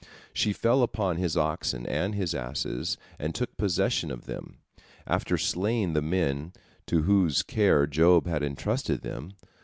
She fell upon his oxen and his asses, and took possession of them, after slaying the men to whose care Job had entrusted them.